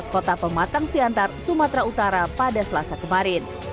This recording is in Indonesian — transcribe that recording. kota pematang siantar sumatera utara pada selasa kemarin